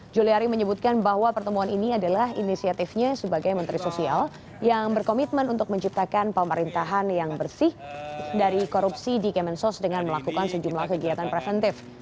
juliari menyebutkan bahwa pertemuan ini adalah inisiatifnya sebagai menteri sosial yang berkomitmen untuk menciptakan pemerintahan yang bersih dari korupsi di kemensos dengan melakukan sejumlah kegiatan preventif